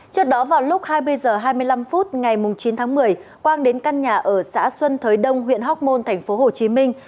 trước đó vào lúc hai mươi h hai mươi năm phút ngày chín tháng một mươi quang đến căn nhà ở xã xuân thới đông huyện hóc môn thành phố hồ chí minh